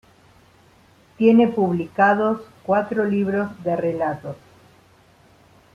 Tiene publicados cuatro libros de relatos.